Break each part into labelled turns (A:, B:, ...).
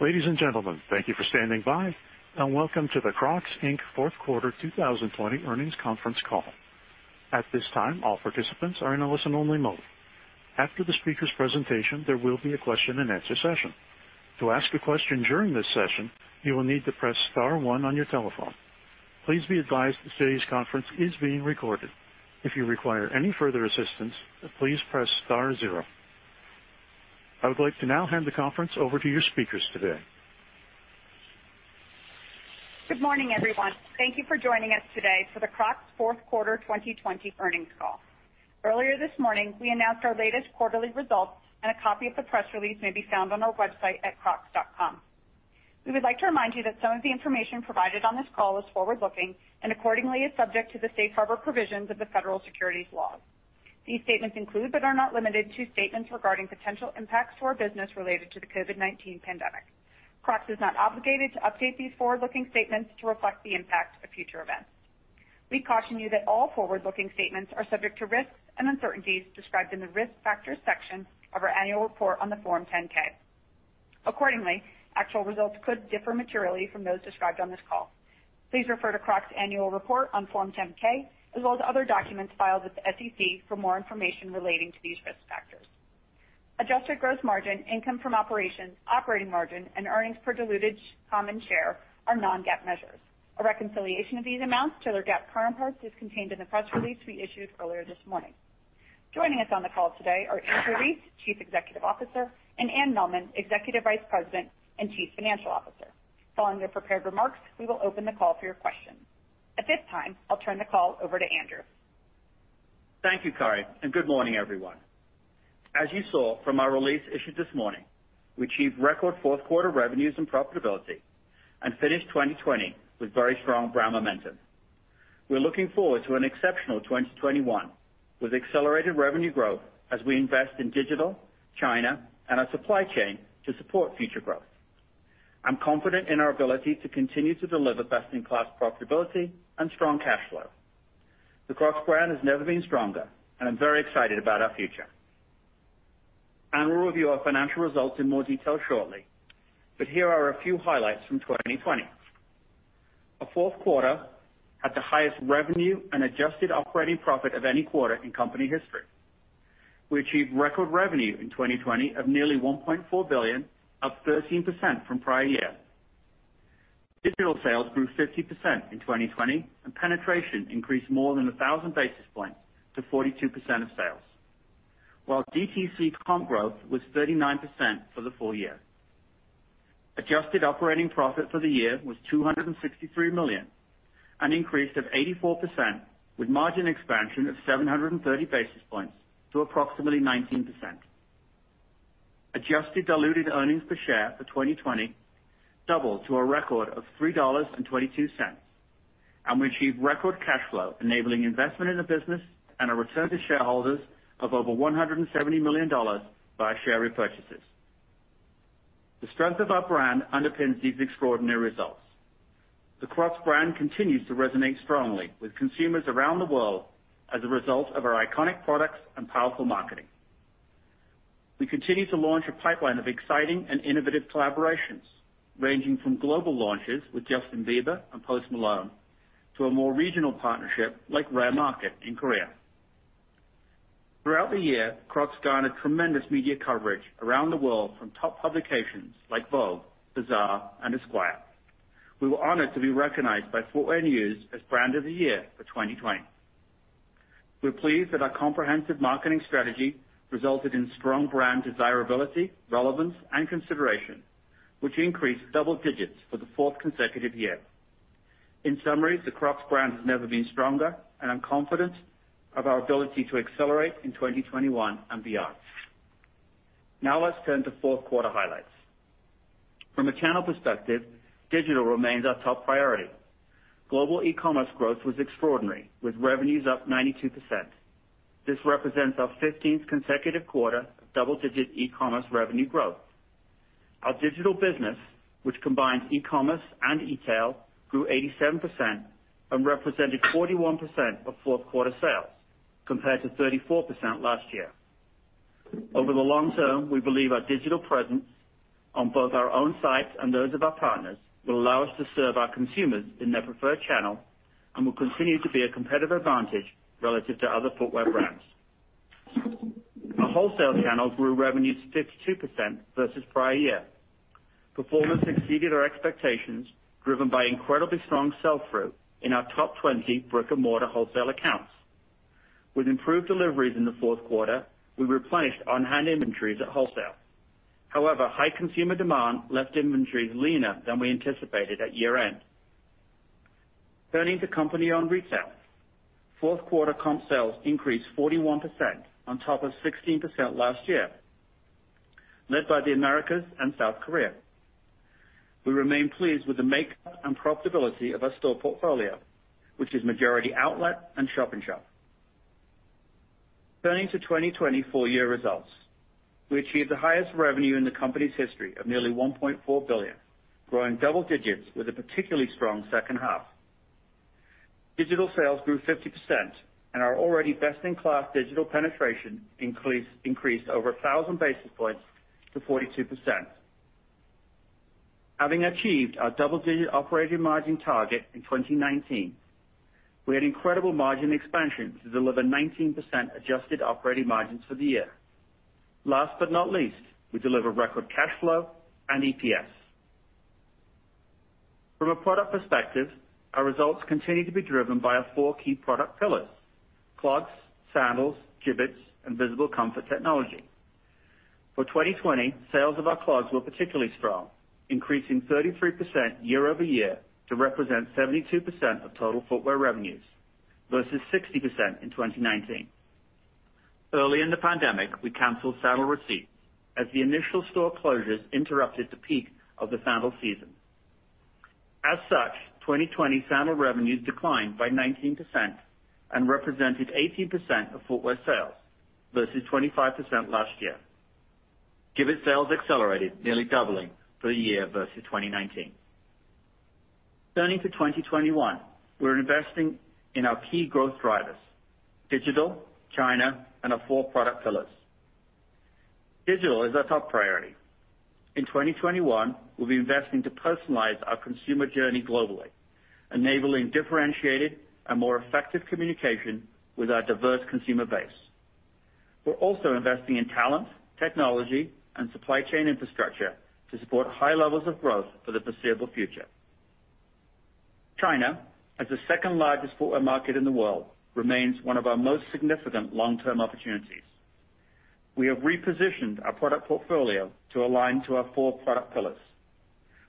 A: Ladies and gentlemen, thank you for standing by, and Welcome to the Crocs, Inc. fourth quarter 2020 earnings conference call. At this time, all participants are in a listen-only mode. After the speakers' presentation, there will be a question-and-answer session. To ask a question during this session, you will need to press star one on your telephone. Please be advised that today's conference is being recorded. If you require any further assistance, please press star zero. I would like to now hand the conference over to your speakers today.
B: Good morning, everyone. Thank you for joining us today for the Crocs fourth quarter 2020 earnings call. Earlier this morning, we announced our latest quarterly results, and a copy of the press release may be found on our website at crocs.com. We would like to remind you that some of the information provided on this call is forward-looking and accordingly is subject to the safe harbor provisions of the federal securities laws. These statements include, but are not limited to, statements regarding potential impacts to our business related to the COVID-19 pandemic. Crocs is not obligated to update these forward-looking statements to reflect the impact of future events. We caution you that all forward-looking statements are subject to risks and uncertainties described in the Risk Factors section of our annual report on the Form 10-K. Accordingly, actual results could differ materially from those described on this call. Please refer to Crocs' annual report on Form 10-K, as well as other documents filed with the SEC for more information relating to these risk factors. Adjusted gross margin, income from operations, operating margin, and earnings per diluted common share are non-GAAP measures. A reconciliation of these amounts to their GAAP counterparts is contained in the press release we issued earlier this morning. Joining us on the call today are Andrew Rees, Chief Executive Officer, and Anne Mehlman, Executive Vice President and Chief Financial Officer. Following their prepared remarks, we will open the call for your questions. At this time, I'll turn the call over to Andrew.
C: Thank you, Cori, good morning, everyone. As you saw from our release issued this morning, we achieved record fourth quarter revenues and profitability and finished 2020 with very strong brand momentum. We're looking forward to an exceptional 2021 with accelerated revenue growth as we invest in digital, China, and our supply chain to support future growth. I'm confident in our ability to continue to deliver best-in-class profitability and strong cash flow. The Crocs brand has never been stronger, and I'm very excited about our future. Anne will review our financial results in more detail shortly, but here are a few highlights from 2020. Our fourth quarter had the highest revenue and adjusted operating profit of any quarter in company history. We achieved record revenue in 2020 of nearly $1.4 billion, up 13% from prior year. Digital sales grew 50% in 2020, and penetration increased more than 1,000 basis points to 42% of sales. While DTC comp growth was 39% for the full year. Adjusted operating profit for the year was $263 million, an increase of 84%, with margin expansion of 730 basis points to approximately 19%. Adjusted diluted earnings per share for 2020 doubled to a record of $3.22. We achieved record cash flow, enabling investment in the business and a return to shareholders of over $170 million via share repurchases. The strength of our brand underpins these extraordinary results. The Crocs brand continues to resonate strongly with consumers around the world as a result of our iconic products and powerful marketing. We continue to launch a pipeline of exciting and innovative collaborations, ranging from global launches with Justin Bieber and Post Malone to a more regional partnership like Rare Market in Korea. Throughout the year, Crocs garnered tremendous media coverage around the world from top publications like Vogue, Harper's Bazaar, and Esquire. We were honored to be recognized by Footwear News as Brand of the Year for 2020. We're pleased that our comprehensive marketing strategy resulted in strong brand desirability, relevance, and consideration, which increased double digits for the fourth consecutive year. In summary, the Crocs brand has never been stronger, and I'm confident of our ability to accelerate in 2021 and beyond. Now let's turn to fourth quarter highlights. From a channel perspective, digital remains our top priority. Global e-commerce growth was extraordinary, with revenues up 92%. This represents our 15th consecutive quarter of double-digit e-commerce revenue growth. Our digital business, which combines e-commerce and e-tail, grew 87% and represented 41% of fourth quarter sales, compared to 34% last year. Over the long term, we believe our digital presence on both our own sites and those of our partners will allow us to serve our consumers in their preferred channel and will continue to be a competitive advantage relative to other footwear brands. Our wholesale channel grew revenues 52% versus prior year. Performance exceeded our expectations, driven by incredibly strong sell-through in our top 20 brick-and-mortar wholesale accounts. With improved deliveries in the fourth quarter, we replenished on-hand inventories at wholesale. However, high consumer demand left inventories leaner than we anticipated at year-end. Turning to company-owned retail. Fourth quarter comp sales increased 41% on top of 16% last year, led by the Americas and South Korea. We remain pleased with the makeup and profitability of our store portfolio, which is majority outlet and shop-in-shop. Turning to 2020 full-year results. We achieved the highest revenue in the company's history of nearly $1.4 billion, growing double digits with a particularly strong second half. Digital sales grew 50% and our already best-in-class digital penetration increased over 1,000 basis points to 42%. Having achieved our double-digit operating margin target in 2019, we had incredible margin expansion to deliver 19% adjusted operating margins for the year. Last but not least, we delivered record cash flow and EPS. From a product perspective, our results continue to be driven by our four key product pillars, Clogs, Sandals, Jibbitz, and Visible Comfort Technology. For 2020, sales of our clogs were particularly strong, increasing 33% year-over-year to represent 72% of total footwear revenues versus 60% in 2019. Early in the pandemic, we canceled sandal receipts as the initial store closures interrupted the peak of the sandal season. As such, 2020 sandal revenues declined by 19% and represented 18% of footwear sales versus 25% last year. Jibbitz sales accelerated, nearly doubling for the year versus 2019. Turning to 2021, we're investing in our key growth drivers, digital, China, and our four product pillars. Digital is our top priority. In 2021, we'll be investing to personalize our consumer journey globally, enabling differentiated and more effective communication with our diverse consumer base. We're also investing in talent, technology, and supply chain infrastructure to support high levels of growth for the foreseeable future. China, as the second-largest footwear market in the world, remains one of our most significant long-term opportunities. We have repositioned our product portfolio to align to our four product pillars.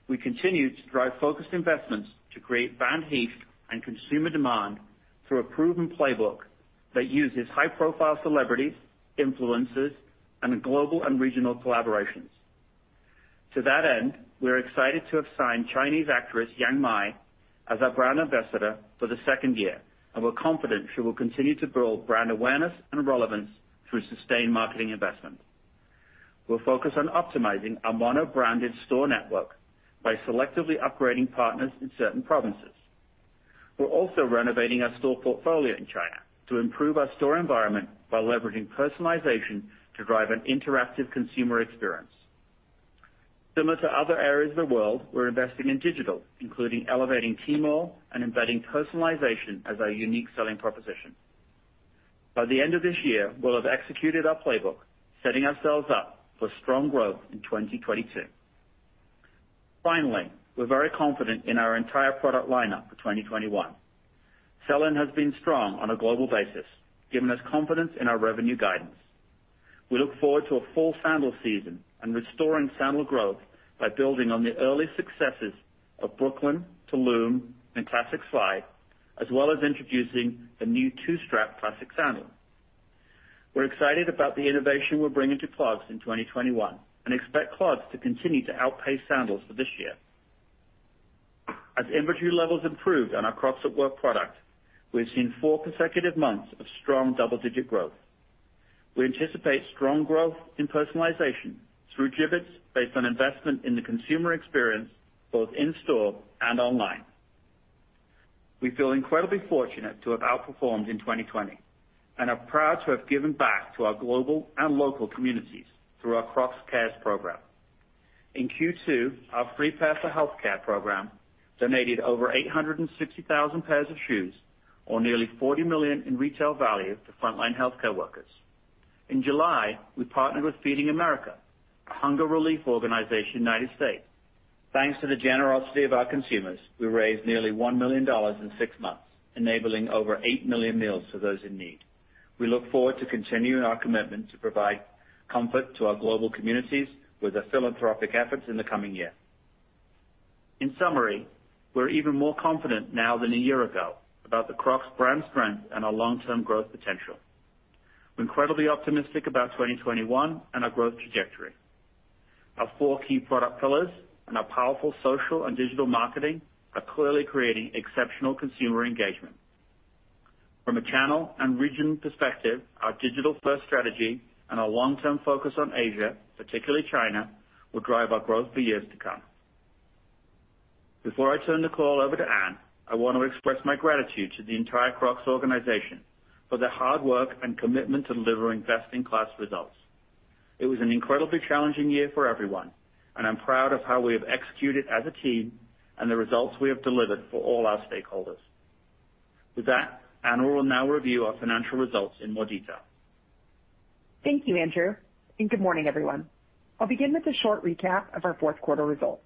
C: We continue to drive focused investments to create brand heat and consumer demand through a proven playbook that uses high-profile celebrities, influencers, and global and regional collaborations. To that end, we are excited to have signed Chinese actress Yang Mi as our brand ambassador for the second year. We're confident she will continue to build brand awareness and relevance through sustained marketing investment. We'll focus on optimizing our mono-branded store network by selectively upgrading partners in certain provinces. We're also renovating our store portfolio in China to improve our store environment by leveraging personalization to drive an interactive consumer experience. Similar to other areas of the world, we're investing in digital, including elevating Tmall and embedding personalization as our unique selling proposition. By the end of this year, we'll have executed our playbook, setting ourselves up for strong growth in 2022. Finally, we're very confident in our entire product lineup for 2021. Sell-in has been strong on a global basis, giving us confidence in our revenue guidance. We look forward to a full sandal season and restoring sandal growth by building on the early successes of Brooklyn, Tulum, and Classic Slide, as well as introducing the new two-strap classic sandal. We're excited about the innovation we're bringing to clogs in 2021 and expect clogs to continue to outpace sandals for this year. As inventory levels improved on our Crocs at Work product, we've seen four consecutive months of strong double-digit growth. We anticipate strong growth in personalization through Jibbitz based on investment in the consumer experience, both in store and online. We feel incredibly fortunate to have outperformed in 2020 and are proud to have given back to our global and local communities through our Crocs Cares program. In Q2, our Free Pair for Healthcare program donated over 860,000 pairs of shoes, or nearly $40 million in retail value to frontline healthcare workers. In July, we partnered with Feeding America, a hunger relief organization in the United States. Thanks to the generosity of our consumers, we raised nearly $1 million in six months, enabling over eight million meals for those in need. We look forward to continuing our commitment to provide comfort to our global communities with our philanthropic efforts in the coming year. In summary, we're even more confident now than a year ago about the Crocs brand strength and our long-term growth potential. We're incredibly optimistic about 2021 and our growth trajectory. Our four key product pillars and our powerful social and digital marketing are clearly creating exceptional consumer engagement. From a channel and regional perspective, our digital-first strategy and our long-term focus on Asia, particularly China, will drive our growth for years to come. Before I turn the call over to Anne, I want to express my gratitude to the entire Crocs organization for their hard work and commitment to delivering best-in-class results. It was an incredibly challenging year for everyone, and I'm proud of how we have executed as a team and the results we have delivered for all our stakeholders. With that, Anne will now review our financial results in more detail.
D: Thank you, Andrew, and good morning, everyone. I'll begin with a short recap of our fourth quarter results.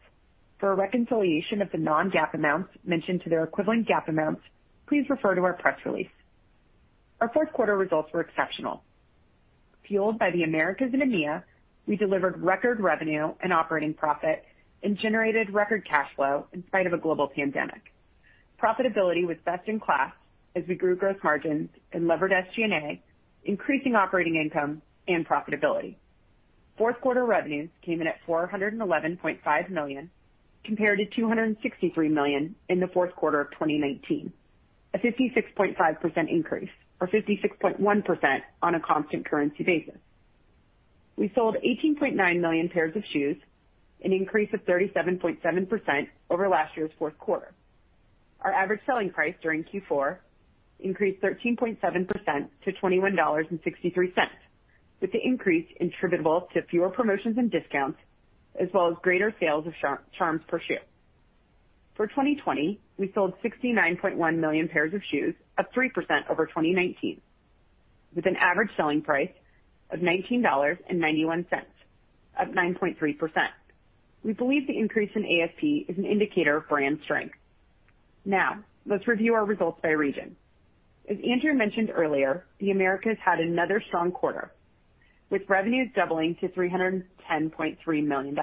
D: For a reconciliation of the non-GAAP amounts mentioned to their equivalent GAAP amounts, please refer to our press release. Our fourth quarter results were exceptional. Fueled by the Americas and EMEA, we delivered record revenue and operating profit and generated record cash flow in spite of a global pandemic. Profitability was best in class as we grew gross margins and levered SG&A, increasing operating income and profitability. Fourth quarter revenues came in at $411.5 million, compared to $263 million in the fourth quarter of 2019, a 56.5% increase or 56.1% on a constant currency basis. We sold 18.9 million pairs of shoes, an increase of 37.7% over last year's fourth quarter. Our average selling price during Q4 increased 13.7% to $21.63, with the increase attributable to fewer promotions and discounts, as well as greater sales of charms per shoe. For 2020, we sold 69.1 million pairs of shoes, up 3% over 2019, with an average selling price of $19.91, up 9.3%. We believe the increase in ASP is an indicator of brand strength. Let's review our results by region. As Andrew mentioned earlier, the Americas had another strong quarter, with revenues doubling to $310.3 million.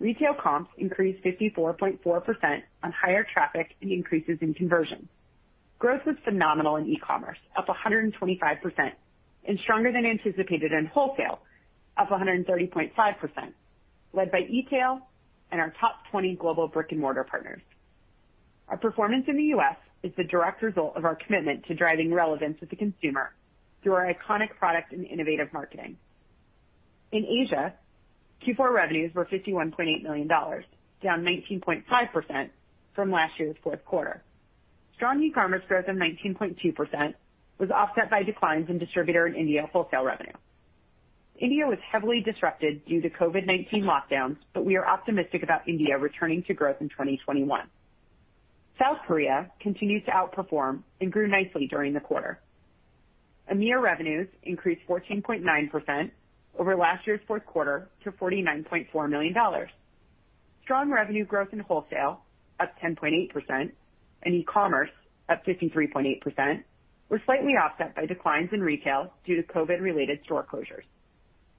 D: Retail comps increased 54.4% on higher traffic and increases in conversion. Growth was phenomenal in e-commerce, up 125%, and stronger than anticipated in wholesale, up 130.5%, led by e-tail and our top 20 global brick-and-mortar partners. Our performance in the U.S. is the direct result of our commitment to driving relevance with the consumer through our iconic product and innovative marketing. In Asia, Q4 revenues were $51.8 million, down 19.5% from last year's fourth quarter. Strong e-commerce growth of 19.2% was offset by declines in distributor and India wholesale revenue. India was heavily disrupted due to COVID-19 lockdowns, but we are optimistic about India returning to growth in 2021. South Korea continued to outperform and grew nicely during the quarter. EMEA revenues increased 14.9% over last year's fourth quarter to $49.4 million. Strong revenue growth in wholesale, up 10.8%, and e-commerce, up 53.8%, were slightly offset by declines in retail due to COVID-related store closures.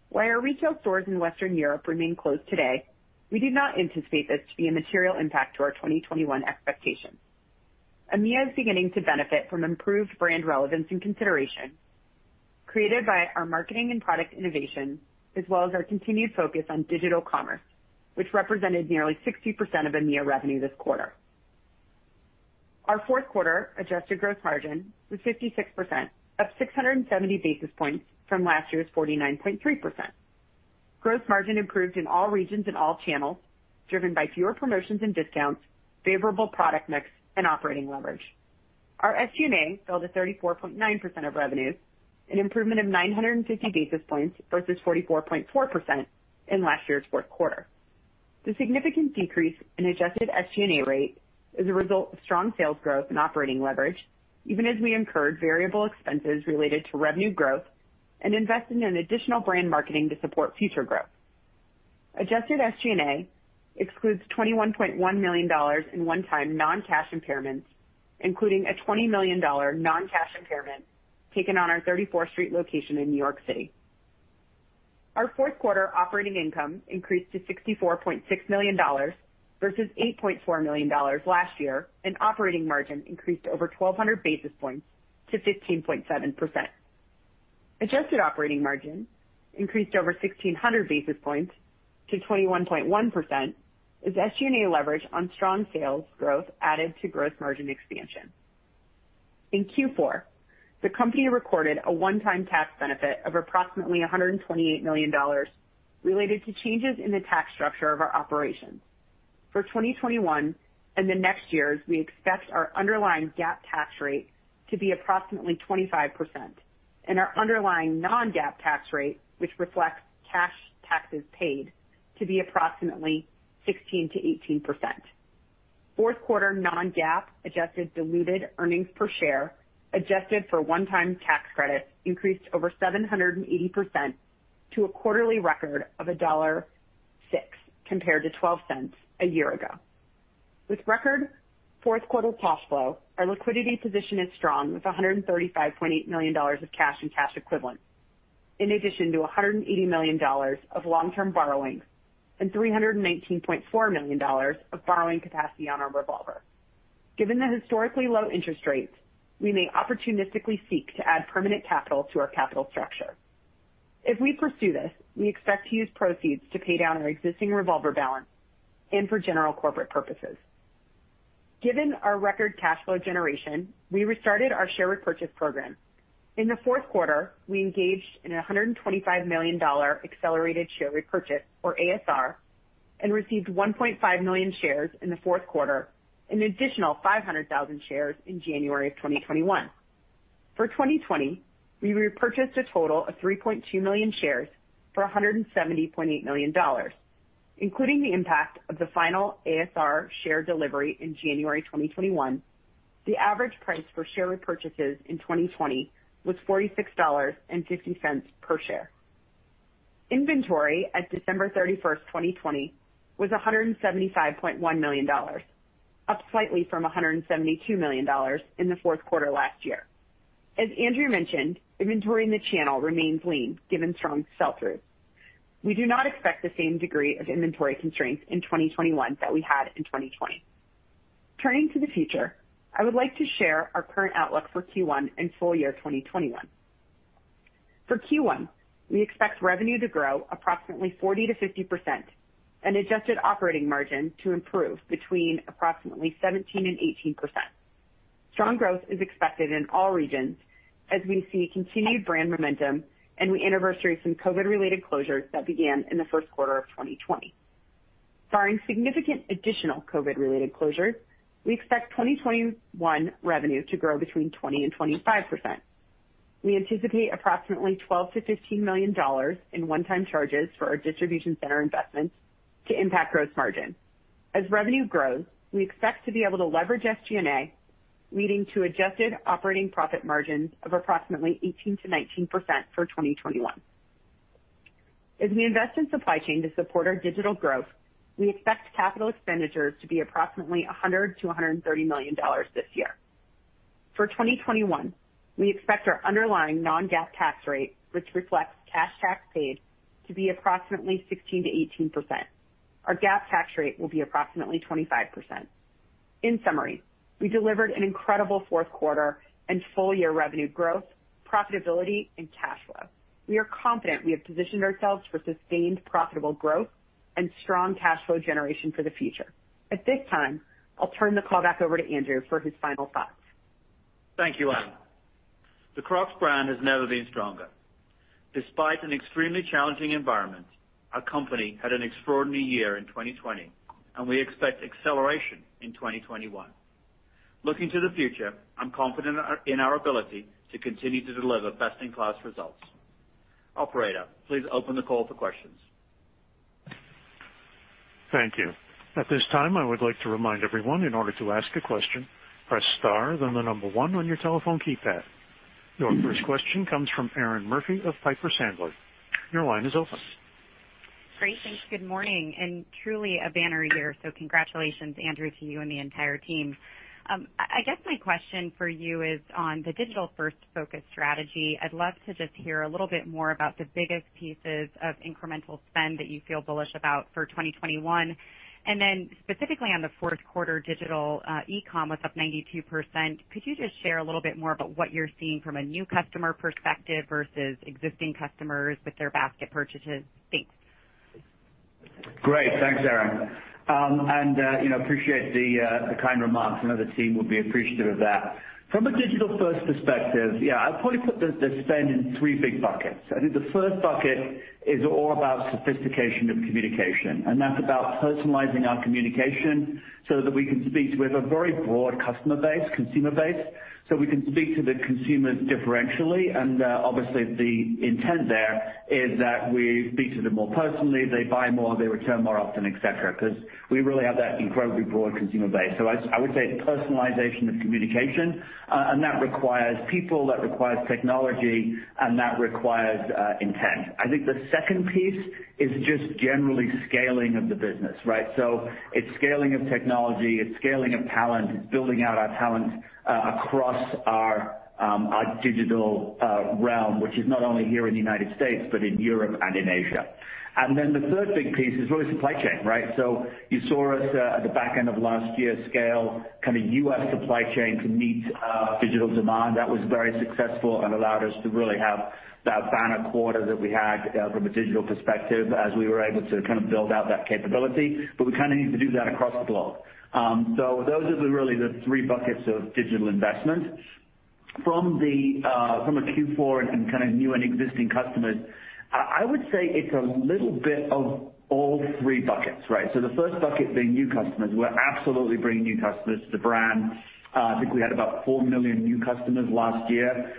D: While our retail stores in Western Europe remain closed today, we do not anticipate this to be a material impact to our 2021 expectations. EMEA is beginning to benefit from improved brand relevance and consideration created by our marketing and product innovation, as well as our continued focus on digital commerce, which represented nearly 60% of EMEA revenue this quarter. Our fourth quarter adjusted gross margin was 56%, up 670 basis points from last year's 49.3%. Gross margin improved in all regions and all channels, driven by fewer promotions and discounts, favorable product mix, and operating leverage. Our SG&A fell to 34.9% of revenues, an improvement of 950 basis points versus 44.4% in last year's fourth quarter. The significant decrease in adjusted SG&A rate is a result of strong sales growth and operating leverage, even as we incurred variable expenses related to revenue growth and invested in additional brand marketing to support future growth. Adjusted SG&A excludes $21.1 million in one-time non-cash impairments, including a $20 million non-cash impairment taken on our 34th Street location in New York City. Our fourth quarter operating income increased to $64.6 million versus $8.4 million last year, and operating margin increased over 1,200 basis points to 15.7%. Adjusted operating margin increased over 1,600 basis points to 21.1% as SG&A leverage on strong sales growth added to gross margin expansion. In Q4, the company recorded a one-time tax benefit of approximately $128 million related to changes in the tax structure of our operations. For 2021 and the next years, we expect our underlying GAAP tax rate to be approximately 25% and our underlying non-GAAP tax rate, which reflects cash taxes paid, to be approximately 16%-18%. Fourth quarter non-GAAP adjusted diluted earnings per share adjusted for one-time tax credits increased over 780% to a quarterly record of $1.06 compared to $0.12 a year ago. With record fourth quarter cash flow, our liquidity position is strong with $135.8 million of cash and cash equivalents, in addition to $180 million of long-term borrowings and $319.4 million of borrowing capacity on our revolver. Given the historically low interest rates, we may opportunistically seek to add permanent capital to our capital structure. If we pursue this, we expect to use proceeds to pay down our existing revolver balance and for general corporate purposes. Given our record cash flow generation, we restarted our share repurchase program. In the fourth quarter, we engaged in a $125 million accelerated share repurchase, or ASR, and received 1.5 million shares in the fourth quarter, an additional 500,000 shares in January of 2021. For 2020, we repurchased a total of 3.2 million shares for $170.8 million. Including the impact of the final ASR share delivery in January 2021, the average price for share repurchases in 2020 was $46.50 per share. Inventory at December 31st, 2020, was $175.1 million, up slightly from $172 million in the fourth quarter last year. As Andrew mentioned, inventory in the channel remains lean given strong sell-through. We do not expect the same degree of inventory constraints in 2021 that we had in 2020. Turning to the future, I would like to share our current outlook for Q1 and full year 2021. For Q1, we expect revenue to grow approximately 40%-50% and adjusted operating margin to improve between approximately 17% and 18%. Strong growth is expected in all regions as we see continued brand momentum and we anniversary some COVID-19-related closures that began in the first quarter of 2020. Barring significant additional COVID-19-related closures, we expect 2021 revenue to grow between 20% and 25%. We anticipate approximately $12 million-$15 million in one-time charges for our distribution center investments to impact gross margin. As revenue grows, we expect to be able to leverage SG&A, leading to adjusted operating profit margins of approximately 18%-19% for 2021. As we invest in supply chain to support our digital growth, we expect capital expenditures to be approximately $100 million-$130 million this year. For 2021, we expect our underlying non-GAAP tax rate, which reflects cash tax paid, to be approximately 16%-18%. Our GAAP tax rate will be approximately 25%. In summary, we delivered an incredible fourth quarter and full-year revenue growth, profitability, and cash flow. We are confident we have positioned ourselves for sustained profitable growth and strong cash flow generation for the future. At this time, I'll turn the call back over to Andrew for his final thoughts.
C: Thank you, Anne. The Crocs brand has never been stronger. Despite an extremely challenging environment, our company had an extraordinary year in 2020, and we expect acceleration in 2021. Looking to the future, I'm confident in our ability to continue to deliver best-in-class results. Operator, please open the call for questions.
A: Thank you. At this time, I would like to remind everyone, in order to ask a question, press star, then the number one on your telephone keypad. Your first question comes from Erinn Murphy of Piper Sandler. Your line is open.
E: Great. Thanks. Good morning. Truly a banner year, congratulations, Andrew, to you and the entire team. I guess my question for you is on the digital-first focus strategy. I'd love to just hear a little bit more about the biggest pieces of incremental spend that you feel bullish about for 2021. Specifically on the fourth quarter digital, e-com was up 92%. Could you just share a little bit more about what you're seeing from a new customer perspective versus existing customers with their basket purchases? Thanks.
C: Great. Thanks, Erinn. Appreciate the kind remarks. I know the team will be appreciative of that. From a digital-first perspective, yeah, I'd probably put the spend in three big buckets. I think the first bucket is all about sophistication of communication, and that's about personalizing our communication so that we can speak with a very broad customer base, consumer base, so we can speak to the consumers differentially. Obviously the intent there is that we speak to them more personally, they buy more, they return more often, et cetera, because we really have that incredibly broad consumer base. I would say personalization of communication, and that requires people, that requires technology, and that requires intent. I think the second piece is just generally scaling of the business, right? It's scaling of technology, it's scaling of talent, it's building out our talent across our digital realm, which is not only here in the U.S., but in Europe and in Asia. The third big piece is really supply chain, right? You saw us at the back end of last year scale kind of U.S. supply chain to meet our digital demand. That was very successful and allowed us to really have that banner quarter that we had from a digital perspective as we were able to kind of build out that capability. We kind of need to do that across the globe. Those are really the three buckets of digital investment. From a Q4 and kind of new and existing customers, I would say it's a little bit of all three buckets, right? The first bucket being new customers. We're absolutely bringing new customers to the brand. I think we had about 4 million new customers last year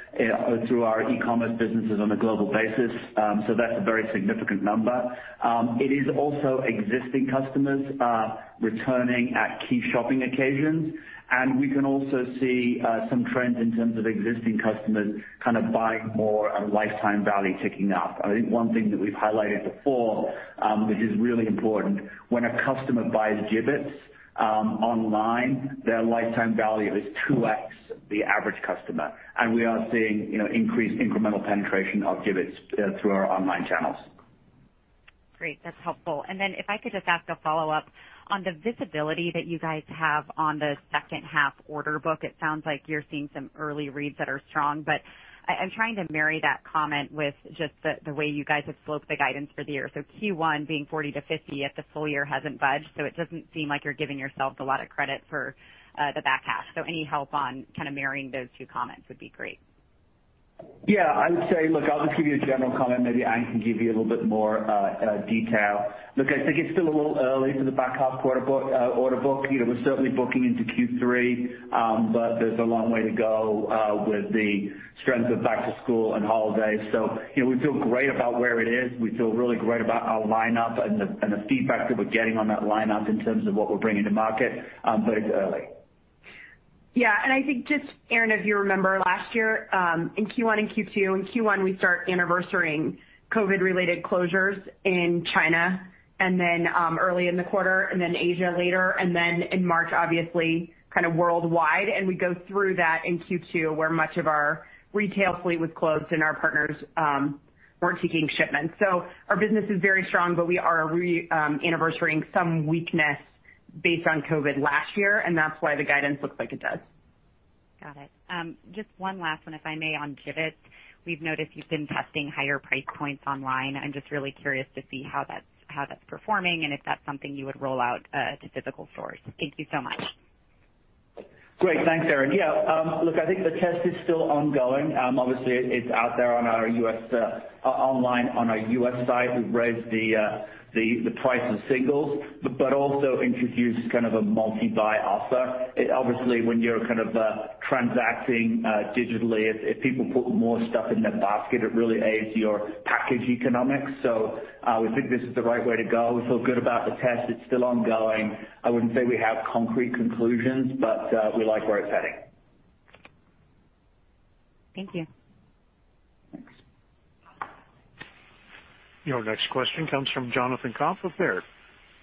C: through our e-commerce businesses on a global basis. That's a very significant number. It is also existing customers returning at key shopping occasions, and we can also see some trends in terms of existing customers kind of buying more and lifetime value ticking up. I think one thing that we've highlighted before, which is really important, when a customer buys Jibbitz online, their lifetime value is 2x the average customer. We are seeing increased incremental penetration of Jibbitz through our online channels.
E: Great. That's helpful. Then if I could just ask a follow-up on the visibility that you guys have on the second half order book. It sounds like you're seeing some early reads that are strong, but I'm trying to marry that comment with just the way you guys have sloped the guidance for the year. Q1 being 40%-50% yet the full year hasn't budged, so it doesn't seem like you're giving yourselves a lot of credit for the back half. Any help on kind of marrying those two comments would be great.
C: Yeah, I would say, look, I'll just give you a general comment. Maybe Anne can give you a little bit more detail. Look, I think it's still a little early for the back half order book. We're certainly booking into Q3, but there's a long way to go with the strength of back to school and holidays. We feel great about where it is. We feel really great about our lineup and the feedback that we're getting on that lineup in terms of what we're bringing to market.
D: I think just, Erinn, if you remember last year, in Q1 and Q2, in Q1, we start anniversarying COVID-related closures in China, and then early in the quarter, and then Asia later, and then in March, obviously, kind of worldwide. We go through that in Q2, where much of our retail fleet was closed and our partners weren't taking shipments. Our business is very strong, but we are re-anniversarying some weakness based on COVID-19 last year, and that's why the guidance looks like it does.
E: Got it. Just one last one, if I may, on Jibbitz. We've noticed you've been testing higher price points online. I'm just really curious to see how that's performing and if that's something you would roll out to physical stores? Thank you so much.
C: Great. Thanks, Erinn. Yeah, look, I think the test is still ongoing. Obviously, it's out there online on our U.S. site. We've raised the price of singles, but also introduced a multi-buy offer. Obviously, when you're transacting digitally, if people put more stuff in their basket, it really aids your package economics. We think this is the right way to go. We feel good about the test. It's still ongoing. I wouldn't say we have concrete conclusions, but we like where it's heading.
E: Thank you.
C: Thanks.
A: Your next question comes from Jonathan Komp of Baird.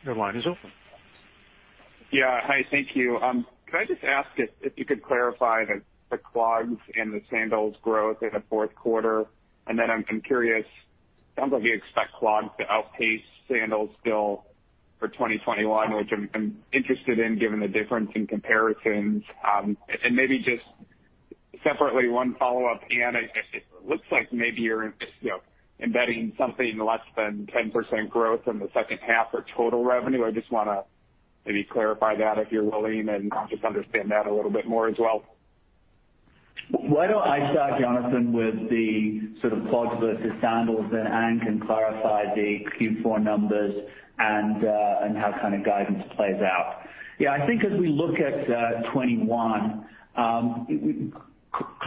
A: Your line is open.
F: Yeah. Hi, thank you. Could I just ask if you could clarify the clogs and the sandals growth in the fourth quarter? I'm curious, it sounds like we expect clogs to outpace sandals still for 2021, which I'm interested in given the difference in comparisons. Maybe just separately, one follow-up, Anne, it looks like maybe you're embedding something less than 10% growth in the second half for total revenue. I just want to maybe clarify that, if you're willing, and just understand that a little bit more as well.
C: Why don't I start, Jonathan, with the clogs versus sandals, then Anne can clarify the Q4 numbers and how guidance plays out. Yeah, I think as we look at 2021,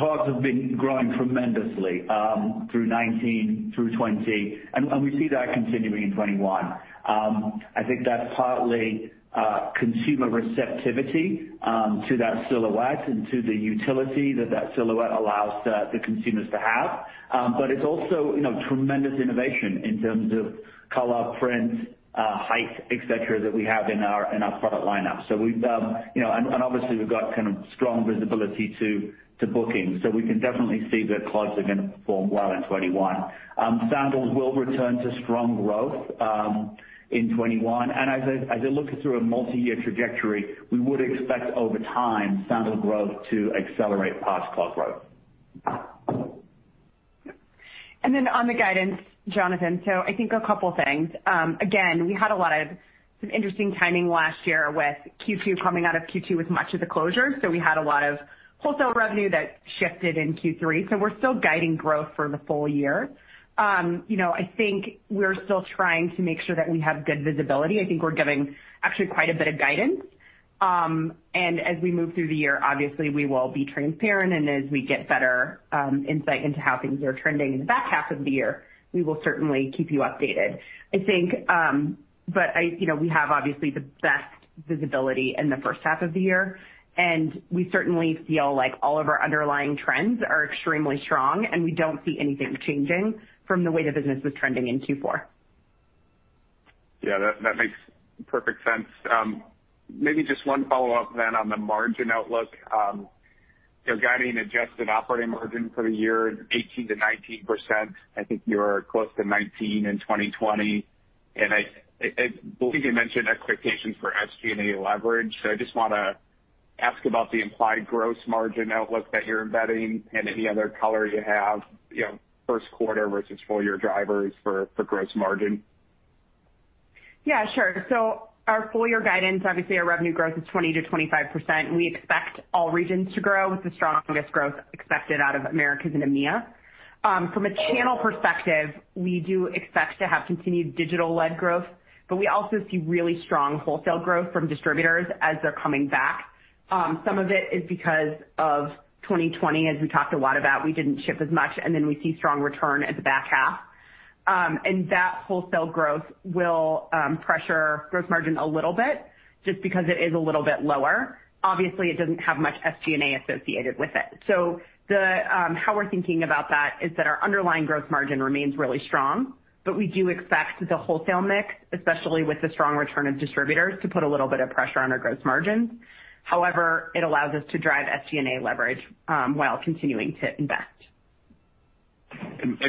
C: clogs have been growing tremendously through 2019, through 2020, and we see that continuing in 2021. I think that's partly consumer receptivity to that silhouette and to the utility that that silhouette allows the consumers to have. It's also tremendous innovation in terms of color, prints, height, et cetera, that we have in our product lineup. Obviously we've got strong visibility to bookings, so we can definitely see that clogs are going to perform well in 2021. Sandals will return to strong growth in 2021. As I look through a multi-year trajectory, we would expect over time sandal growth to accelerate past clog growth.
D: On the guidance, Jonathan, I think a couple things. We had some interesting timing last year with Q2 coming out of Q2 with much of the closures. We had a lot of wholesale revenue that shifted in Q3, we're still guiding growth for the full year. We're still trying to make sure that we have good visibility. We're giving actually quite a bit of guidance. As we move through the year, obviously, we will be transparent, and as we get better insight into how things are trending in the back half of the year, we will certainly keep you updated. We have, obviously, the best visibility in the first half of the year, and we certainly feel like all of our underlying trends are extremely strong, and we don't see anything changing from the way the business is trending in Q4.
F: Yeah, that makes perfect sense. Maybe just one follow-up then on the margin outlook. You're guiding adjusted operating margin for the year 18%-19%. I think you were close to 19% in 2020. I believe you mentioned expectations for SG&A leverage. I just want to ask about the implied gross margin outlook that you're embedding and any other color you have, first quarter versus full-year drivers for gross margin.
D: Yeah, sure. Our full-year guidance, obviously our revenue growth is 20%-25%. We expect all regions to grow with the strongest growth expected out of Americas and EMEA. From a channel perspective, we do expect to have continued digital-led growth. We also see really strong wholesale growth from distributors as they're coming back. Some of it is because of 2020, as we talked a lot about, we didn't ship as much. Then we see strong return at the back half. That wholesale growth will pressure gross margin a little bit just because it is a little bit lower. Obviously, it doesn't have much SG&A associated with it. How we're thinking about that is that our underlying gross margin remains really strong, but we do expect the wholesale mix, especially with the strong return of distributors, to put a little bit of pressure on our gross margin. However, it allows us to drive SG&A leverage while continuing to invest.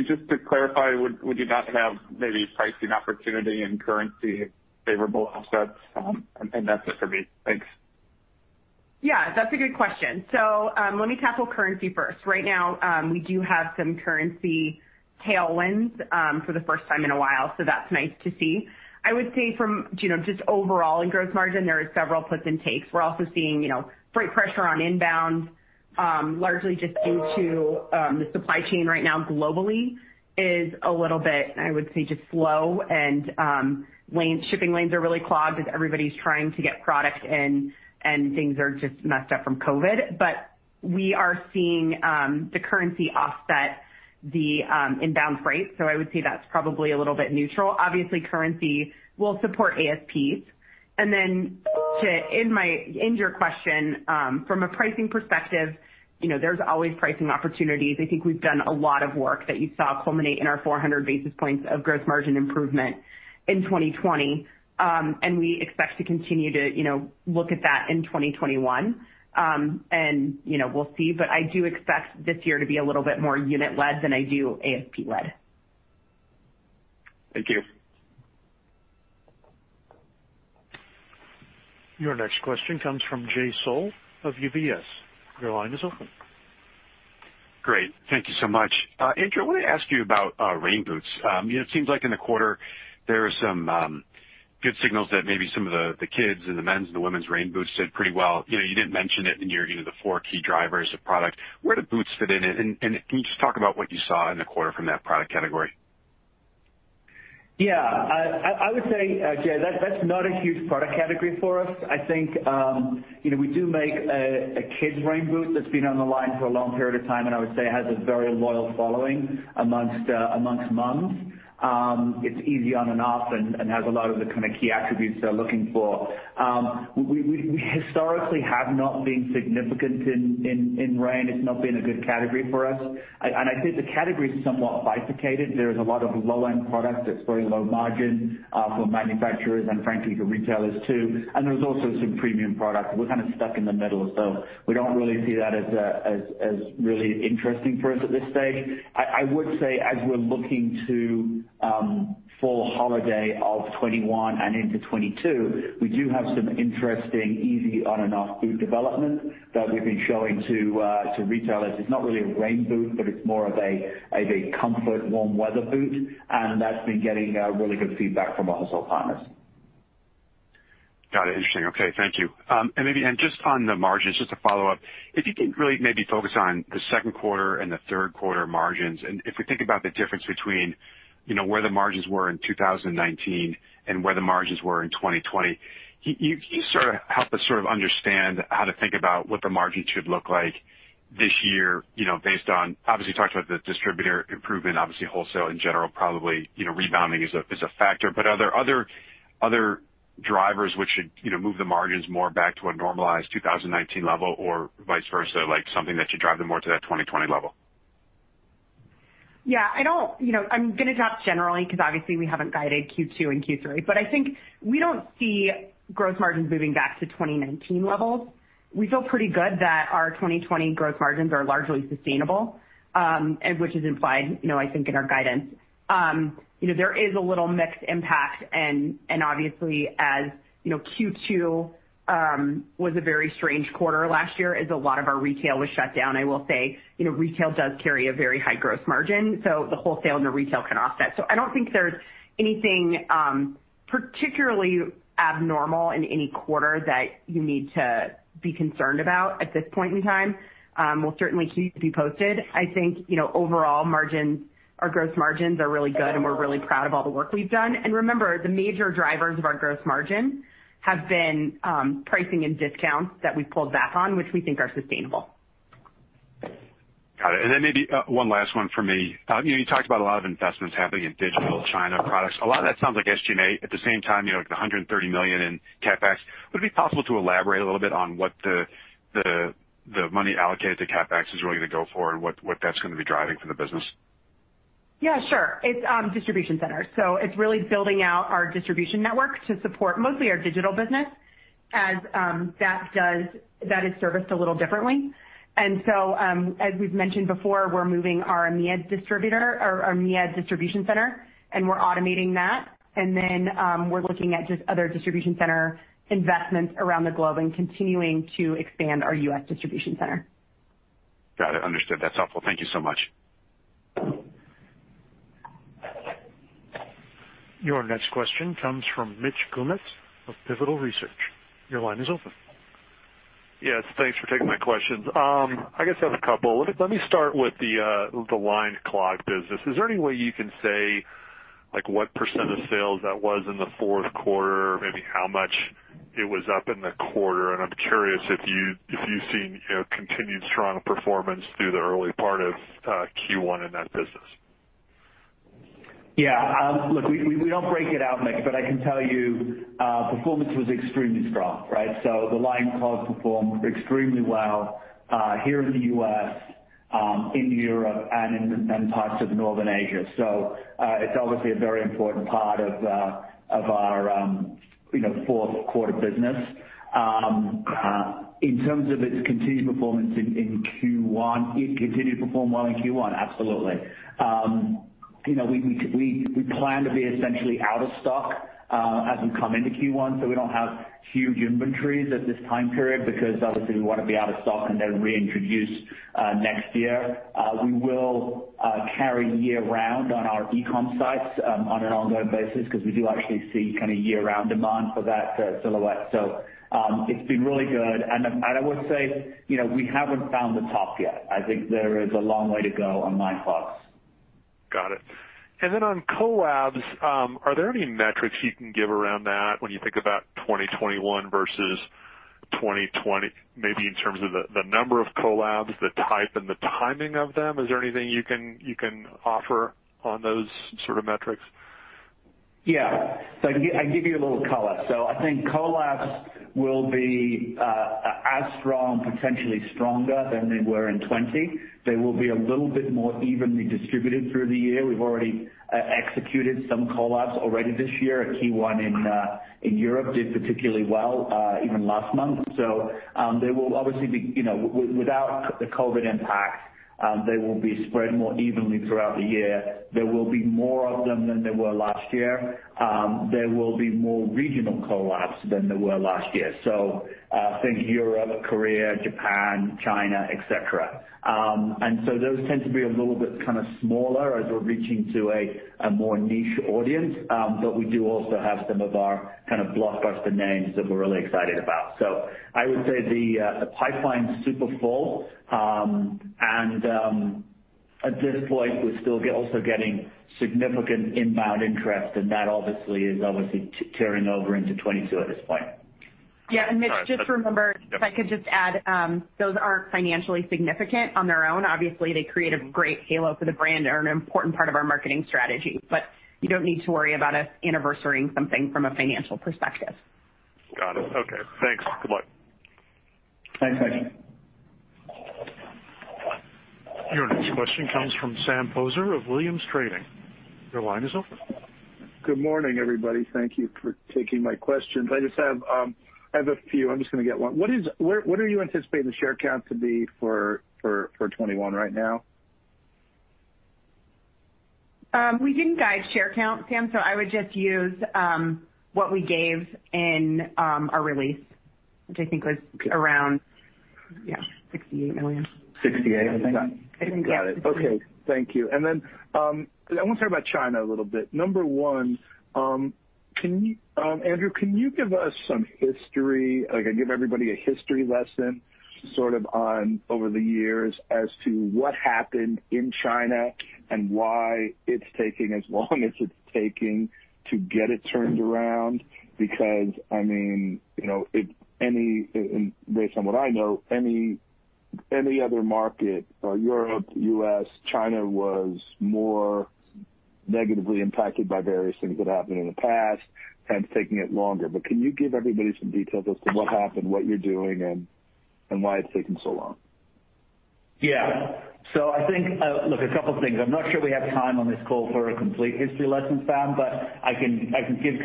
F: Just to clarify, would you not have maybe pricing opportunity and currency favorable offsets? That's it for me. Thanks.
D: Yeah, that's a good question. Let me tackle currency first. Right now, we do have some currency tailwinds for the first time in a while, that's nice to see. I would say from just overall in gross margin, there are several puts and takes. We're also seeing freight pressure on inbound, largely just due to the supply chain right now globally is a little bit, I would say, just slow and shipping lanes are really clogged as everybody's trying to get product in and things are just messed up from COVID-19. We are seeing the currency offset the inbound freight. I would say that's probably a little bit neutral. Obviously, currency will support ASPs. Then to end your question, from a pricing perspective, there's always pricing opportunities. I think we've done a lot of work that you saw culminate in our 400 basis points of gross margin improvement in 2020. We expect to continue to look at that in 2021. We'll see, but I do expect this year to be a little bit more unit led than I do ASP led.
F: Thank you.
A: Your next question comes from Jay Sole of UBS. Your line is open.
G: Great. Thank you so much. Andrew, I want to ask you about rain boots. It seems like in the quarter there are some good signals that maybe some of the kids and the men's and the women's rain boots did pretty well. You didn't mention it in the four key drivers of product. Where do boots fit in it? Can you just talk about what you saw in the quarter from that product category?
C: Yeah. I would say, Jay, that's not a huge product category for us. I think we do make a kids' rain boot that's been on the line for a long period of time, and I would say has a very loyal following amongst moms. It's easy on and off and has a lot of the key attributes they're looking for. We historically have not been significant in rain. It's not been a good category for us. I think the category is somewhat bifurcated. There is a lot of low-end product that's very low margin for manufacturers and frankly, for retailers too. There's also some premium products. We're kind of stuck in the middle. We don't really see that as really interesting for us at this stage. I would say as we're looking to fall holiday of 2021 and into 2022, we do have some interesting easy on and off boot development that we've been showing to retailers. It's not really a rain boot, but it's more of a comfort warm weather boot. That's been getting really good feedback from our wholesale partners.
G: Got it. Interesting. Okay. Thank you. Just on the margins, just to follow up, if you could really maybe focus on the second quarter and the third quarter margins, and if we think about the difference between where the margins were in 2019 and where the margins were in 2020. Can you help us understand how to think about what the margin should look like this year, based on, obviously you talked about the distributor improvement, obviously wholesale in general, probably rebounding is a factor. Are there other drivers which should move the margins more back to a normalized 2019 level or vice versa, like something that should drive them more to that 2020 level?
D: Yeah. I'm going to talk generally because obviously we haven't guided Q2 and Q3, but I think we don't see gross margins moving back to 2019 levels. We feel pretty good that our 2020 gross margins are largely sustainable, which is implied I think in our guidance. There is a little mixed impact and obviously as Q2 was a very strange quarter last year as a lot of our retail was shut down. I will say, retail does carry a very high gross margin, so the wholesale and the retail can offset. I don't think there's anything particularly abnormal in any quarter that you need to be concerned about at this point in time. We'll certainly keep you posted. I think, overall our gross margins are really good and we're really proud of all the work we've done. Remember, the major drivers of our gross margin have been pricing and discounts that we've pulled back on, which we think are sustainable.
G: Got it. Maybe one last one for me. You talked about a lot of investments happening in digital China products. A lot of that sounds like SG&A. At the same time, the $130 million in CapEx. Would it be possible to elaborate a little bit on what the money allocated to CapEx is really going to go for and what that's going to be driving for the business?
D: Yeah, sure. It's distribution centers. It's really building out our distribution network to support mostly our digital business as that is serviced a little differently. As we've mentioned before, we're moving our EMEA distribution center, and we're automating that. We're looking at just other distribution center investments around the globe and continuing to expand our U.S. distribution center.
G: Got it. Understood. That's helpful. Thank you so much.
A: Your next question comes from Mitch Kummetz of Pivotal Research. Your line is open.
H: Yes, thanks for taking my questions. I guess I have a couple. Let me start with the Lined Clog business. Is there any way you can say what percent of sales that was in the fourth quarter? Maybe how much it was up in the quarter? I'm curious if you've seen continued strong performance through the early part of Q1 in that business.
C: Look, we don't break it out, Mitch, I can tell you performance was extremely strong, right? The Lined Clog performed extremely well here in the U.S., in Europe, and in parts of Northern Asia. It's obviously a very important part of our fourth quarter business. In terms of its continued performance in Q1, it continued to perform well in Q1, absolutely. We plan to be essentially out of stock as we come into Q1, we don't have huge inventories at this time period because obviously we want to be out of stock and then reintroduce next year. We will carry year round on our e-com sites on an ongoing basis because we do actually see year-round demand for that silhouette. It's been really good, I would say we haven't found the top yet. I think there is a long way to go on Lined Clogs.
H: Got it. On collabs, are there any metrics you can give around that when you think about 2021 versus 2020? Maybe in terms of the number of collabs, the type and the timing of them? Is there anything you can offer on those sort of metrics?
C: Yeah. I can give you a little color. I think collabs will be as strong, potentially stronger than they were in 2020. They will be a little bit more evenly distributed through the year. We've already executed some collabs already this year. A key one in Europe did particularly well even last month. Without the COVID-19 impact, they will be spread more evenly throughout the year. There will be more of them than there were last year. There will be more regional collabs than there were last year. Think Europe, Korea, Japan, China, et cetera. Those tend to be a little bit smaller as we're reaching to a more niche audience. We do also have some of our blockbuster names that we're really excited about. I would say the pipeline's super full. At this point, we're still also getting significant inbound interest, and that obviously is carrying over into 2022 at this point.
D: Yeah, Mitch, just remember, if I could just add, those aren't financially significant on their own. Obviously, they create a great halo for the brand and are an important part of our marketing strategy. You don't need to worry about us anniversarying something from a financial perspective.
H: Got it. Okay, thanks. Goodbye.
C: Thanks, Mitch.
A: Your next question comes from Sam Poser of Williams Trading. Your line is open.
I: Good morning, everybody. Thank you for taking my questions. I just have a few. I'm just going to get one. What do you anticipate the share count to be for 2021 right now?
D: We didn't guide share count, Sam, so I would just use what we gave in our release, which I think was around, yeah, 68 million.
C: 68, I think.
D: I think, yeah.
I: Got it. Okay. Thank you. I want to talk about China a little bit. Number one, Andrew, can you give us some history, like give everybody a history lesson, sort of on over the years as to what happened in China and why it's taking as long as it's taking to get it turned around? Based on what I know, any other market, Europe, U.S., China was more negatively impacted by various things that happened in the past, hence taking it longer. Can you give everybody some details as to what happened, what you're doing, and why it's taken so long?
C: Yeah. I think, look, a couple things. I'm not sure we have time on this call for a complete history lesson, Sam, but I can give